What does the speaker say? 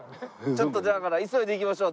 ちょっとだから急いで行きましょう。